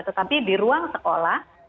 tetapi di ruang sekolah